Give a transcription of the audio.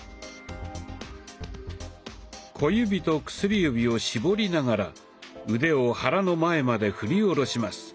小指と薬指を絞りながら腕を肚の前まで振り下ろします。